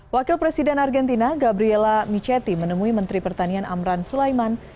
wakil presiden argentina gabriela micheti menemui menteri pertanian amran sulaiman